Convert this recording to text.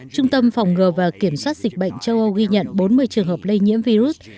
trung tâm phòng ngừa và kiểm soát dịch bệnh châu âu ghi nhận bốn mươi trường hợp lây nhiễm virus